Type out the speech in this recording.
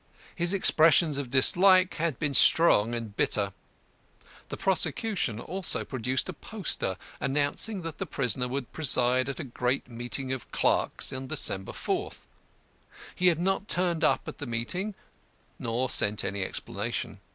His expressions of dislike had been strong and bitter. The prosecution also produced a poster announcing that the prisoner would preside at a great meeting of clerks on December 4th. He had not turned up at this meeting nor sent any explanation.